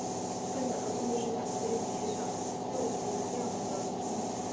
泛甲壳动物是甲壳类及六足亚门的总称。